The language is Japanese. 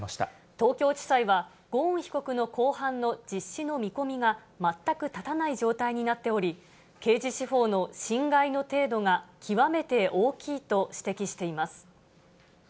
東京地裁は、ゴーン被告の公判の実施の見込みが全く立たない状態になっており、刑事司法の侵害の程度が極めて大きいと指摘しています。